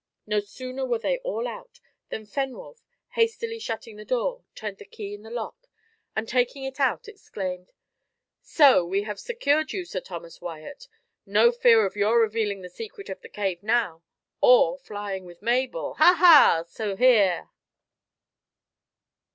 No sooner were they all out, than Fenwolf, hastily shutting the door, turned the key in the lock, and taking it out, exclaimed, "So we have secured you, Sir Thomas Wyat. No fear of your revealing the secret of the cave now, or flying with Mabel ha! ha!" to here.